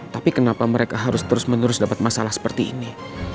tapi kenapa mereka harus terus menerus dapat masalah seperti ini